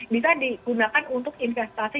bisa digunakan untuk investasi